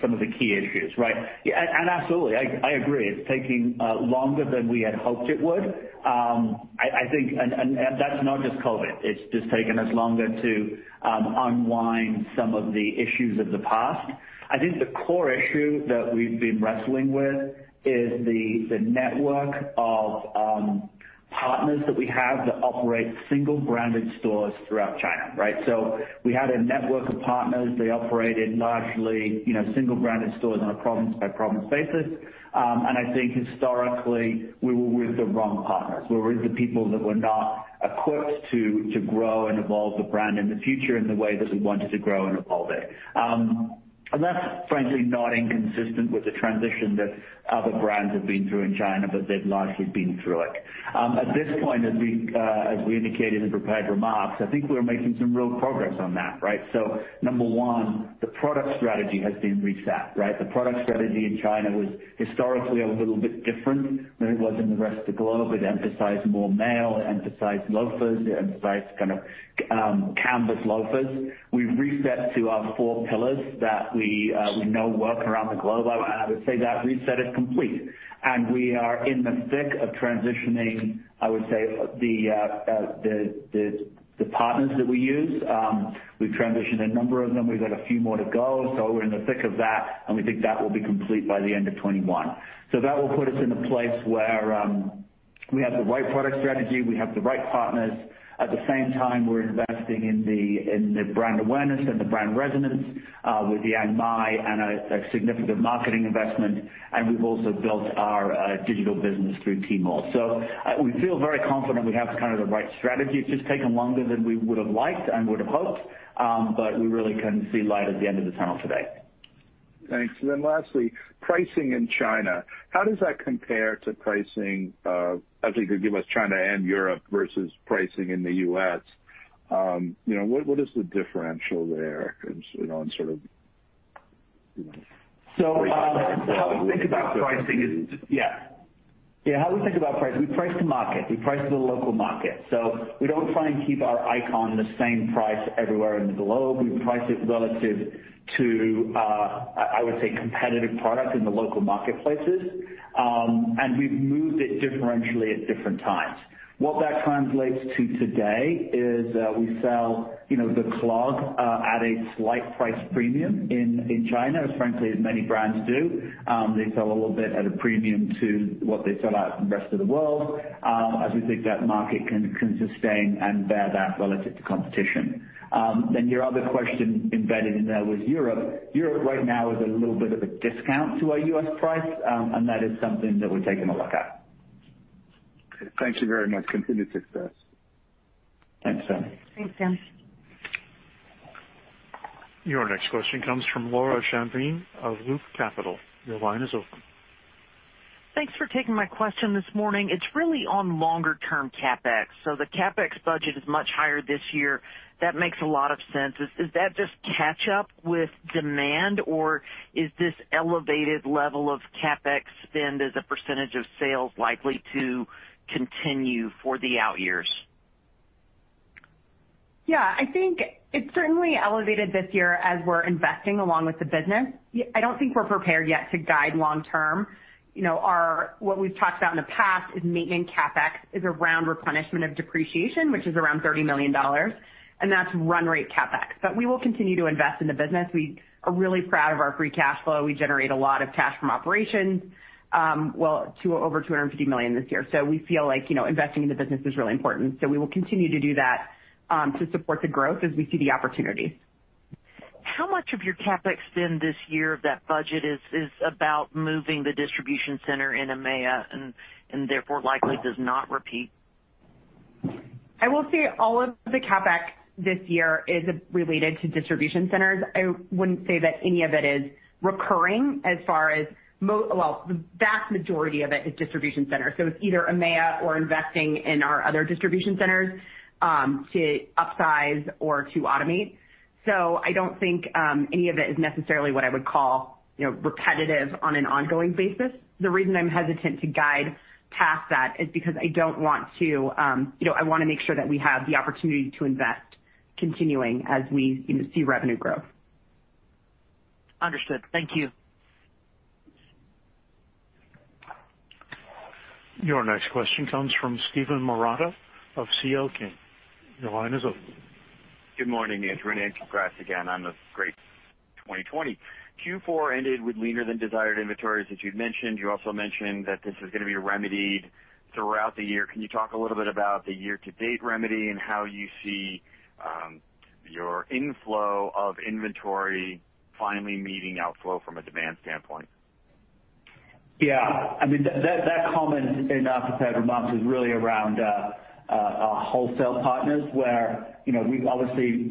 C: some of the key issues, right? Absolutely, I agree. It's taking longer than we had hoped it would. That's not just COVID-19. It's just taken us longer to unwind some of the issues of the past. I think the core issue that we've been wrestling with is the network of partners that we have that operate single-branded stores throughout China. Right? We had a network of partners. They operated largely single-branded stores on a province-by-province basis. I think historically, we were with the wrong partners. We were with the people that were not equipped to grow and evolve the brand in the future in the way that we wanted to grow and evolve it. That's frankly not inconsistent with the transition that other brands have been through in China, but they've largely been through it. At this point, as we indicated in the prepared remarks, I think we're making some real progress on that, right? Number one, the product strategy has been reset, right? The product strategy in China was historically a little bit different than it was in the rest of the globe. It emphasized more male, it emphasized loafers, it emphasized canvas loafers. We've reset to our four pillars that we know work around the globe. I would say that reset is complete, and we are in the thick of transitioning, I would say, the partners that we use. We've transitioned a number of them. We've got a few more to go. We're in the thick of that, and we think that will be complete by the end of 2021. That will put us in a place where we have the right product strategy, we have the right partners. At the same time, we're investing in the brand awareness and the brand resonance, with Yang Mi and a significant marketing investment, and we've also built our digital business through Tmall. We feel very confident we have the right strategy. It's just taken longer than we would've liked and would've hoped, but we really can see light at the end of the tunnel today.
I: Thanks. Then lastly, pricing in China, how does that compare to pricing, I was thinking give us China and Europe versus pricing in the U.S.? What is the differential there?
C: How we think about pricing, we price to market. We price to the local market. We don't try and keep our icon the same price everywhere in the globe. We price it relative to, I would say, competitive product in the local marketplaces. We've moved it differentially at different times. What that translates to today is we sell the clog at a slight price premium in China, as frankly as many brands do. They sell a little bit at a premium to what they sell at in the rest of the world. We think that market can sustain and bear that relative to competition. Your other question embedded in there was Europe. Europe right now is a little bit of a discount to our U.S. price. That is something that we're taking a look at.
I: Okay. Thank you very much. Continued success.
C: Thanks, Sam.
D: Thanks, Sam.
A: Your next question comes from Laura Champine of Loop Capital. Your line is open.
J: Thanks for taking my question this morning. It's really on longer-term CapEx. The CapEx budget is much higher this year. That makes a lot of sense. Is that just catch up with demand, or is this elevated level of CapEx spend as a percentage of sales likely to continue for the out years?
D: Yeah. I think it's certainly elevated this year as we're investing along with the business. I don't think we're prepared yet to guide long term. What we've talked about in the past is maintenance CapEx is around replenishment of depreciation, which is around $30 million, and that's run rate CapEx. We will continue to invest in the business. We are really proud of our free cash flow. We generate a lot of cash from operations. Well, over $250 million this year. We feel like investing in the business is really important. We will continue to do that to support the growth as we see the opportunities.
J: How much of your CapEx spend this year of that budget is about moving the distribution center in EMEA, and therefore likely does not repeat?
D: I will say all of the CapEx this year is related to distribution centers. I wouldn't say that any of it is recurring as far as the vast majority of it is distribution centers, so it's either EMEA or investing in our other distribution centers, to upsize or to automate. I don't think any of it is necessarily what I would call repetitive on an ongoing basis. The reason I'm hesitant to guide past that is because I want to make sure that we have the opportunity to invest continuing as we see revenue growth.
J: Understood. Thank you.
A: Your next question comes from Steven Marotta of C.L. King. Your line is open.
K: Good morning, Andrew and Anne. Congrats again on the great 2020. Q4 ended with leaner than desired inventories that you'd mentioned. You also mentioned that this is going to be remedied throughout the year. Can you talk a little bit about the year-to-date remedy and how you see your inflow of inventory finally meeting outflow from a demand standpoint?
C: Yeah. That comment in October is really around our wholesale partners where we obviously,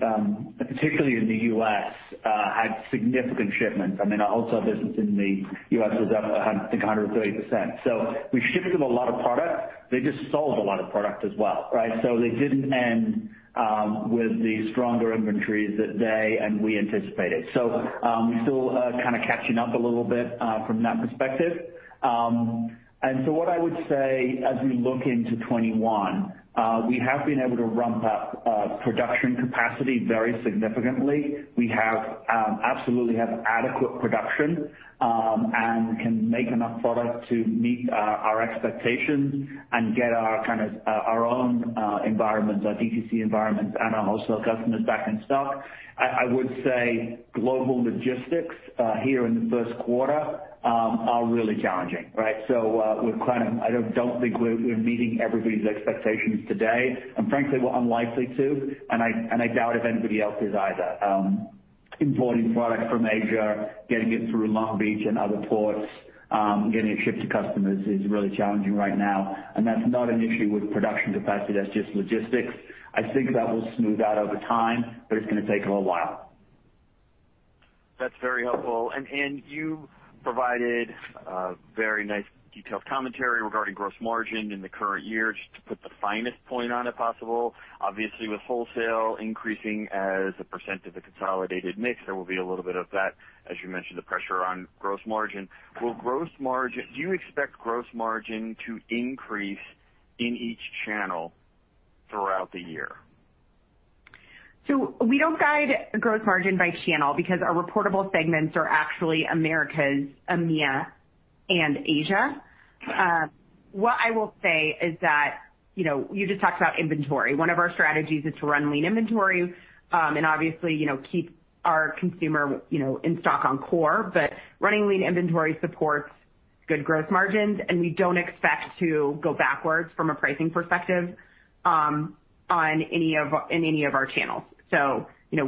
C: particularly in the U.S., had significant shipments. Our wholesale business in the U.S. was up, I think, 130%. We shipped them a lot of product. They just sold a lot of product as well, right? They didn't end with the stronger inventories that they and we anticipated. Still catching up a little bit, from that perspective. What I would say as we look into 2021, we have been able to ramp up production capacity very significantly. We absolutely have adequate production, and can make enough product to meet our expectations and get our own DTC environments and our wholesale customers back in stock. I would say global logistics here in the first quarter are really challenging. I don't think we're meeting everybody's expectations today. Frankly, we're unlikely to, and I doubt if anybody else is either. Importing product from Asia, getting it through Long Beach and other ports, getting it shipped to customers is really challenging right now, and that's not an issue with production capacity, that's just logistics. I think that will smooth out over time, but it's going to take a little while.
K: That's very helpful. Anne, you provided a very nice detailed commentary regarding gross margin in the current year. Just to put the finest point on it possible, obviously with wholesale increasing as a percentage of the consolidated mix, there will be a little bit of that, as you mentioned, the pressure on gross margin. Do you expect gross margin to increase in each channel throughout the year?
D: We don't guide gross margin by channel because our reportable segments are actually Americas, EMEA, and Asia. What I will say is that, you just talked about inventory. One of our strategies is to run lean inventory, and obviously, keep our consumer in stock on core. Running lean inventory supports good gross margins, and we don't expect to go backwards from a pricing perspective in any of our channels.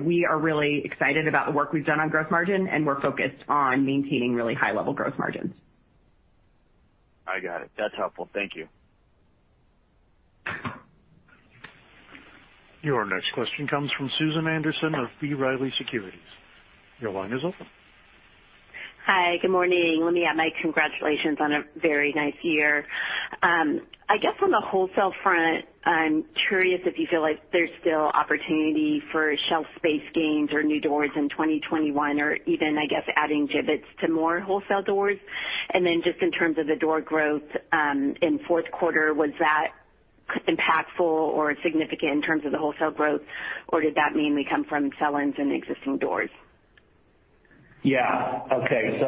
D: We are really excited about the work we've done on gross margin, and we're focused on maintaining really high-level gross margins.
K: I got it. That's helpful. Thank you.
A: Your next question comes from Susan Anderson of B. Riley Securities. Your line is open.
L: Hi. Good morning. Let me add my congratulations on a very nice year. I guess on the wholesale front, I'm curious if you feel like there's still opportunity for shelf space gains or new doors in 2021 or even, I guess, adding Jibbitz to more wholesale doors. Just in terms of the door growth, in fourth quarter, was that impactful or significant in terms of the wholesale growth, or did that mean we come from sell-ins and existing doors?
C: Yeah. Okay.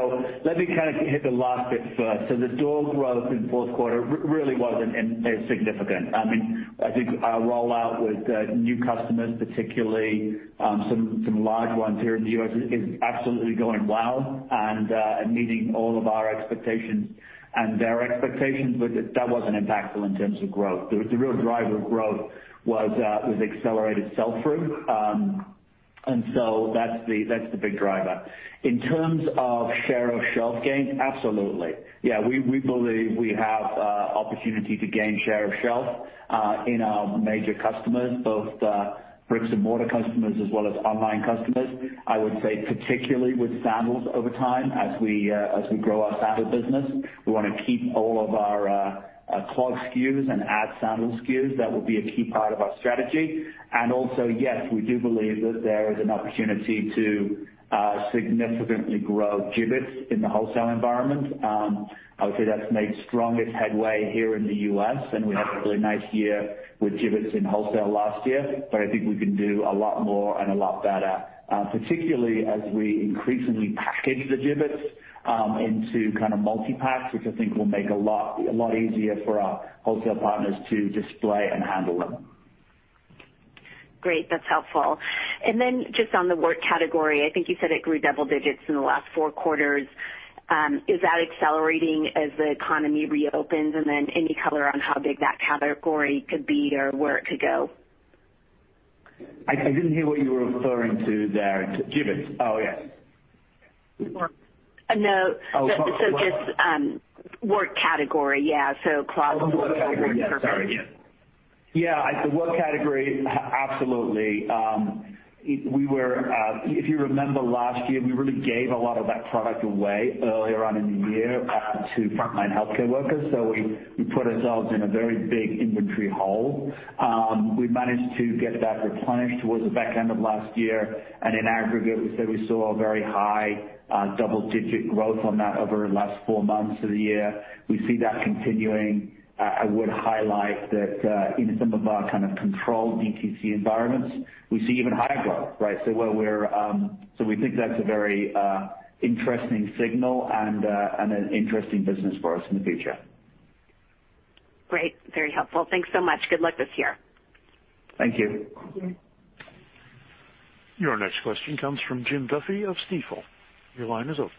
C: Let me hit the last bit first. The door growth in the fourth quarter really wasn't as significant. I think our rollout with new customers, particularly some large ones here in the U.S., is absolutely going well and meeting all of our expectations and their expectations. That wasn't impactful in terms of growth. The real driver of growth was accelerated sell-through. That's the big driver. In terms of share of shelf gain, absolutely. We believe we have opportunity to gain share of shelf, in our major customers, both bricks and mortar customers as well as online customers. I would say particularly with sandals over time as we grow our sandal business. We want to keep all of our clog SKUs and add sandal SKUs. That will be a key part of our strategy. Also, yes, we do believe that there is an opportunity to significantly grow Jibbitz in the wholesale environment. I would say that's made strongest headway here in the U.S., and we had a really nice year with Jibbitz in wholesale last year, but I think we can do a lot more and a lot better, particularly as we increasingly package the Jibbitz into multipacks, which I think will make a lot easier for our wholesale partners to display and handle them.
L: Great. That's helpful. Just on the work category, I think you said it grew double digits in the last four quarters. Is that accelerating as the economy reopens? Any color on how big that category could be or where it could go?
C: I didn't hear what you were referring to there. Jibbitz? Oh, yes.
L: No.
C: Oh, sorry.
L: Just work category. Yeah. Crocs.
C: Work category. Yeah, sorry. Yeah. Work category, absolutely. If you remember last year, we really gave a lot of that product away earlier on in the year to frontline healthcare workers. We put ourselves in a very big inventory hole. We managed to get that replenished towards the back end of last year, and in aggregate, we said we saw a very high double-digit growth on that over the last four months of the year. We see that continuing. I would highlight that in some of our kind of controlled DTC environments, we see even higher growth, right? We think that's a very interesting signal and an interesting business for us in the future.
L: Great. Very helpful. Thanks so much. Good luck this year.
C: Thank you.
D: Thank you.
A: Your next question comes from Jim Duffy of Stifel. Your line is open.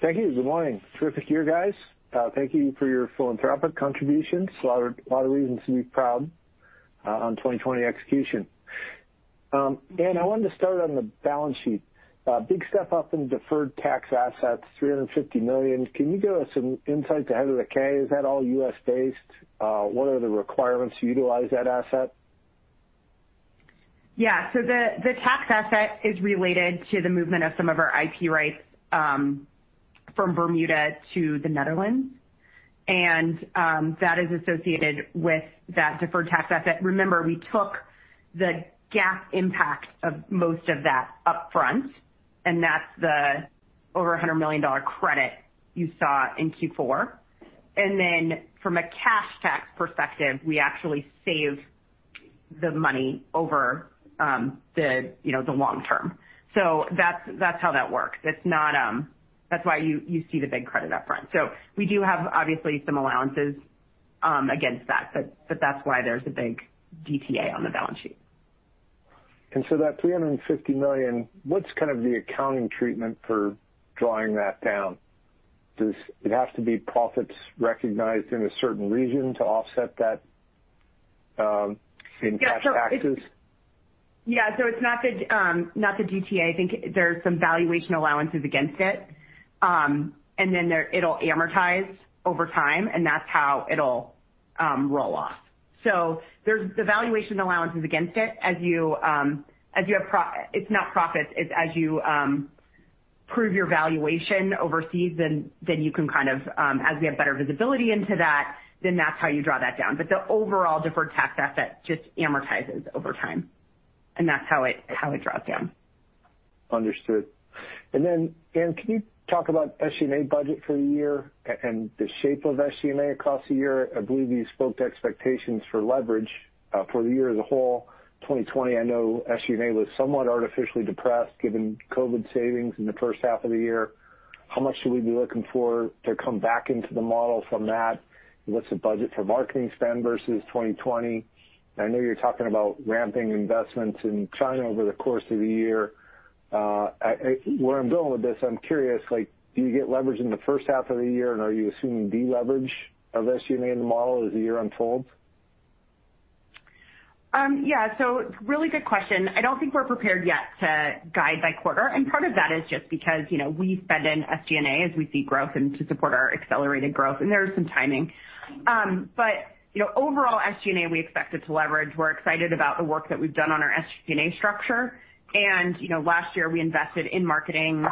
M: Thank you. Good morning. Terrific year, guys. Thank you for your philanthropic contributions. A lot of reasons to be proud on 2020 execution. Anne, I wanted to start on the balance sheet. Big step up in deferred tax assets, $350 million. Can you give us some insights ahead of the K? Is that all U.S.-based? What are the requirements to utilize that asset?
D: Yeah. The tax asset is related to the movement of some of our IP rights from Bermuda to the Netherlands, and that is associated with that deferred tax asset. Remember, we took the GAAP impact of most of that upfront, and that's the over $100 million credit you saw in Q4. From a cash tax perspective, we actually saved the money over the long term. That's how that works. That's why you see the big credit up front. We do have obviously some allowances against that, but that's why there's a big DTA on the balance sheet.
M: That $350 million, what's kind of the accounting treatment for drawing that down? Does it have to be profits recognized in a certain region to offset that in cash taxes?
D: Yeah. It's not the DTA. I think there's some valuation allowances against it, and then it'll amortize over time, and that's how it'll roll off. There's the valuation allowances against it. It's not profits. It's as you prove your valuation overseas, as we have better visibility into that, then that's how you draw that down. The overall deferred tax asset just amortizes over time, and that's how it draws down.
M: Understood. Anne, can you talk about SG&A budget for the year and the shape of SG&A across the year? I believe you spoke to expectations for leverage for the year as a whole. 2020, I know SG&A was somewhat artificially depressed given COVID savings in the first half of the year. How much should we be looking for to come back into the model from that? What's the budget for marketing spend versus 2020? I know you're talking about ramping investments in China over the course of the year. Where I'm going with this, I'm curious, do you get leverage in the first half of the year, and are you assuming de-leverage of SG&A in the model as the year unfolds?
D: Yeah. Really good question. I don't think we're prepared yet to guide by quarter, and part of that is just because we spend in SG&A as we see growth and to support our accelerated growth, and there is some timing. Overall, SG&A, we expected to leverage. We're excited about the work that we've done on our SG&A structure. Last year, we invested in marketing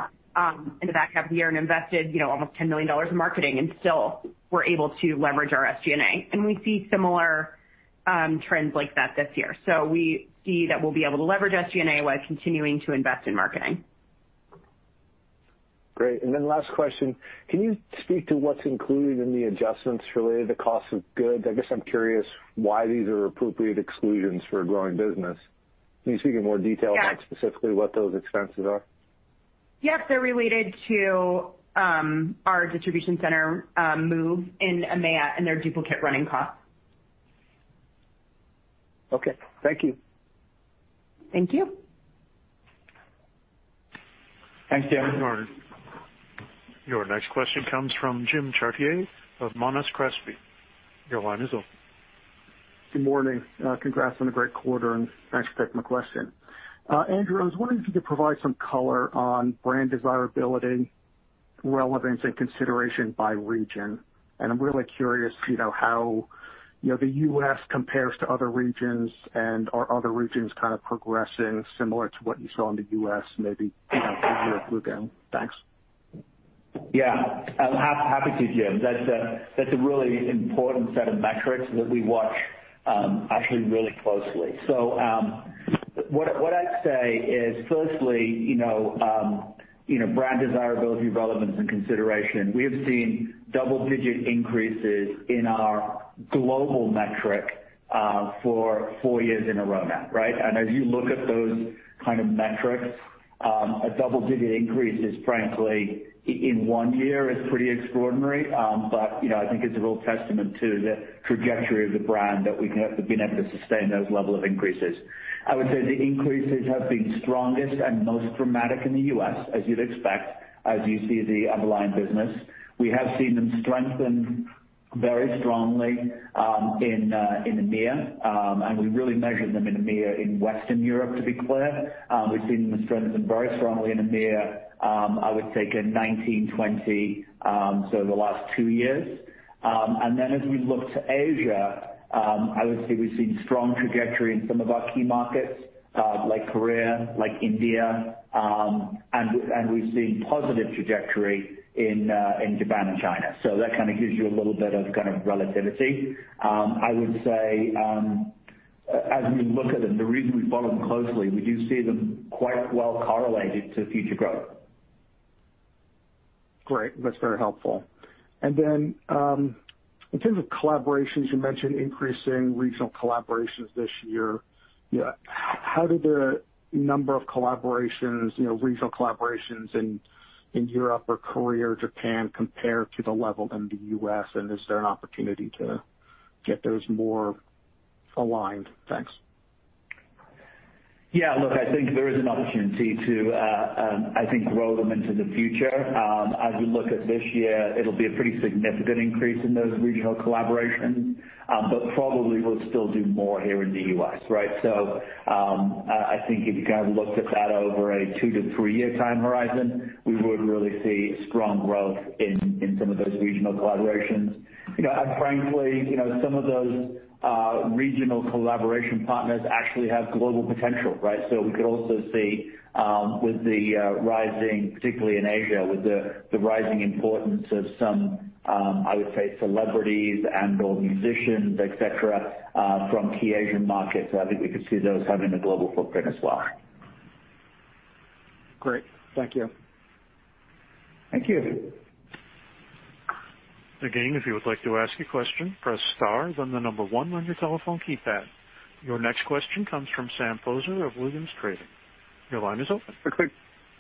D: in the back half of the year and invested almost $10 million in marketing, and still were able to leverage our SG&A. We see similar trends like that this year. We see that we'll be able to leverage SG&A while continuing to invest in marketing.
M: Great. Then last question. Can you speak to what's included in the adjustments related to cost of goods? I guess I'm curious why these are appropriate exclusions for a growing business. Can you speak in more detail about specifically what those expenses are?
D: Yes. They're related to our distribution center move in EMEA and their duplicate running costs.
M: Okay. Thank you.
D: Thank you.
C: Thanks, Anne.
A: Good morning. Your next question comes from Jim Chartier of Monness Crespi. Your line is open.
N: Good morning. Congrats on a great quarter, and thanks for taking my question. Andrew, I was wondering if you could provide some color on brand desirability, relevance, and consideration by region. I'm really curious to how the U.S. compares to other regions and are other regions kind of progressing similar to what you saw in the U.S., maybe a year or two ago? Thanks.
C: Happy to, Jim. That's a really important set of metrics that we watch actually really closely. What I'd say is firstly, brand desirability, relevance, and consideration, we have seen double-digit increases in our global metric for four years in a row now, right? As you look at those kind of metrics, a double-digit increase is frankly, in one year is pretty extraordinary. I think it's a real testament to the trajectory of the brand that we've been able to sustain those level of increases. I would say the increases have been strongest and most dramatic in the U.S., as you'd expect, as you see the underlying business. We have seen them strengthen very strongly in EMEA, and we really measured them in EMEA, in Western Europe, to be clear. We've seen them strengthen very strongly in EMEA, I would say, in 2019, 2020, so the last two years. Then as we look to Asia, I would say we've seen strong trajectory in some of our key markets, like Korea, like India, and we've seen positive trajectory in Japan and China. That kind of gives you a little bit of kind of relativity. I would say, as we look at them, the reason we follow them closely, we do see them quite well correlated to future growth.
N: Great. That's very helpful. In terms of collaborations, you mentioned increasing regional collaborations this year. How did the number of collaborations, regional collaborations in Europe or Korea or Japan compare to the level in the U.S., and is there an opportunity to get those more aligned? Thanks.
C: Yeah, look, I think there is an opportunity to, I think, grow them into the future. As we look at this year, it'll be a pretty significant increase in those regional collaborations. Probably we'll still do more here in the U.S., right? I think if you kind of looked at that over a two to three-year time horizon, we would really see strong growth in some of those regional collaborations. Frankly, some of those regional collaboration partners actually have global potential, right? We could also see, particularly in Asia, with the rising importance of some, I would say, celebrities and/or musicians, et cetera, from key Asian markets. I think we could see those having a global footprint as well.
N: Great. Thank you.
C: Thank you.
A: Again, if you would like to ask a question, press star, then the number one on your telephone keypad. Your next question comes from Sam Poser of Williams Trading. Your line is open.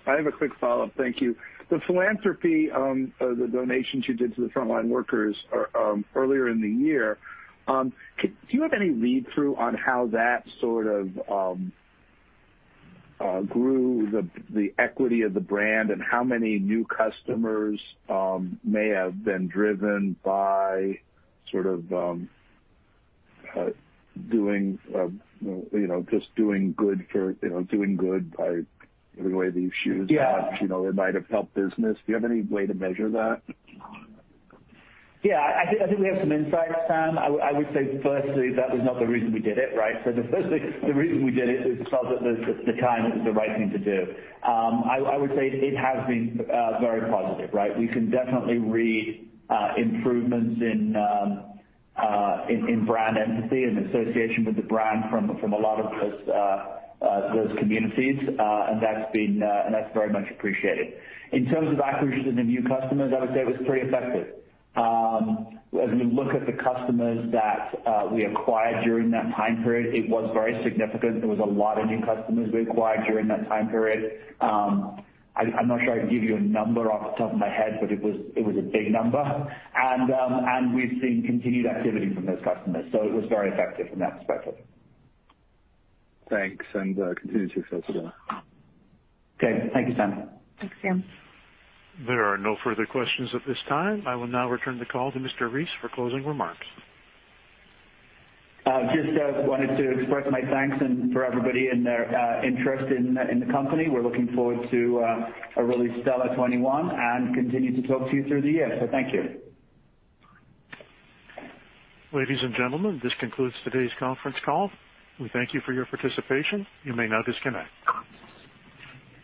I: I have a quick follow-up. Thank you. The philanthropy, the donations you did to the frontline workers earlier in the year, do you have any read-through on how that sort of grew the equity of the brand and how many new customers may have been driven by sort of just doing good by giving away these shoes?
C: Yeah.
I: It might have helped business. Do you have any way to measure that?
C: I think we have some insights, Sam. I would say, firstly, that was not the reason we did it, right? Firstly, the reason we did it is because at the time it was the right thing to do. I would say it has been very positive, right? We can definitely read improvements in brand empathy and association with the brand from a lot of those communities. That's very much appreciated. In terms of acquisition of new customers, I would say it was pretty effective. As we look at the customers that we acquired during that time period, it was very significant. There was a lot of new customers we acquired during that time period. I'm not sure I can give you a number off the top of my head, but it was a big number. We've seen continued activity from those customers, so it was very effective from that perspective.
I: Thanks, and continued success to you.
C: Okay. Thank you, Sam.
D: Thanks, Sam.
A: There are no further questions at this time. I will now return the call to Andrew Rees for closing remarks.
C: Just wanted to express my thanks for everybody and their interest in the company. We're looking forward to a really stellar 2021, and continue to talk to you through the year. Thank you.
A: Ladies and gentlemen, this concludes today's conference call. We thank you for your participation. You may now disconnect.